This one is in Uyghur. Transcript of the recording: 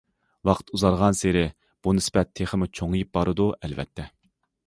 ۋاقىت ئۇزارغانسېرى بۇ نىسبەت تېخىمۇ چوڭىيىپ بارىدۇ، ئەلۋەتتە!